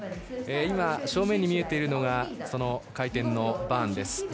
正面に見えているのが回転のバーンです。